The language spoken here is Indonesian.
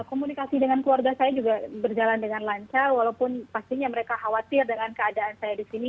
komunikasi dengan keluarga saya juga berjalan dengan lancar walaupun pastinya mereka khawatir dengan keadaan saya di sini